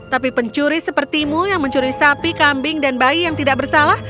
tapi pencuri sepertimu yang mencuri sapi kambing dan bayi yang tidak bersalah